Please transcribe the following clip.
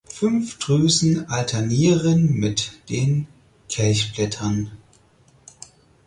Fünf Drüsen alternieren mit den Kelchblättern.